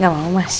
gak mau mas